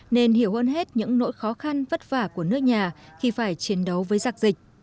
nên hiểu hơn hết những nỗi khó khăn vất vả của nước nhà khi phải chiến đấu với giặc dịch